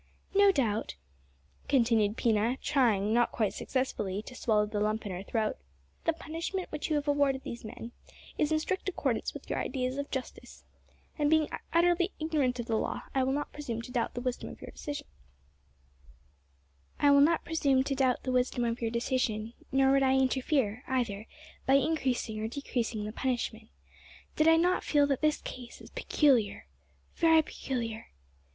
"No doubt," continued Pina, trying, not quite successfully, to swallow the lump in her throat, "the punishment which you have awarded these men is in strict accordance with your ideas of justice, and, being utterly ignorant of law, I will not presume to doubt the wisdom of your decision; nor would I interfere, either by increasing or decreasing the punishment, did I not feel that this case is peculiar, very peculiar.